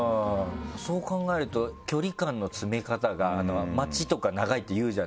そう考えると距離感の詰め方が待ちとか長いっていうじゃないですか。